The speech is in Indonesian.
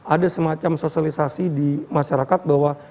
ada semacam sosialisasi di masyarakat bahwa